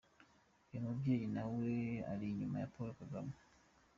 Uyu mubyeyi na we ari inyuma ya Paul Kagame.